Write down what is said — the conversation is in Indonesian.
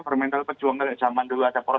permen terlalu berjuang dari zaman dulu ada poros